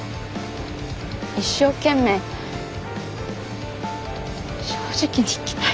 一生懸命正直に生きたい。